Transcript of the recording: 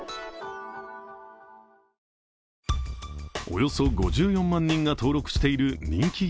およそ５４万人が登録している人気ＹｏｕＴｕｂｅ